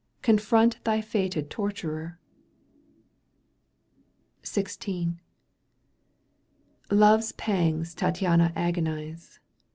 Confront thy fated torturer ! XVI. Love's pangs Tattiana agonize.